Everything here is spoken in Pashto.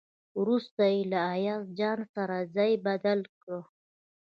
وروسته یې له ایاز جان سره ځای بدل کړ.